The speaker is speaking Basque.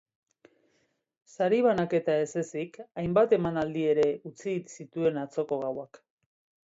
Sari-banaketa ez ezik, hainbat emanaldi ere utzi zituen atzoko gauak.